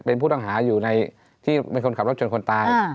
เป็นผู้ต้องหาอยู่ในที่เป็นคนขับรถชนคนตาย